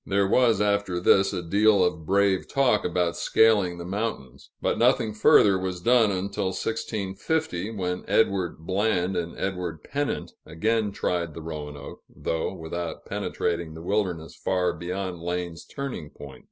There was, after this, a deal of brave talk about scaling the mountains; but nothing further was done until 1650, when Edward Bland and Edward Pennant again tried the Roanoke, though without penetrating the wilderness far beyond Lane's turning point.